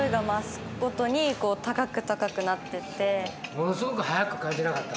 ものすごく速く感じなかった？